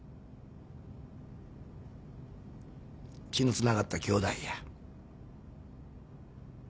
血のつながった兄妹や。